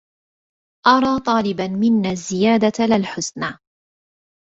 أرى طالبا منا الزيادة لا الحسنى